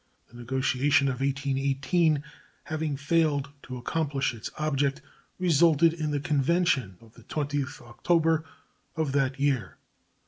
The negotiation of 1818, having failed to accomplish its object, resulted in the convention of the 20th of October of that year.